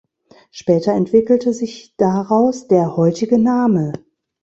Später entwickelte sich daraus der heutige Name.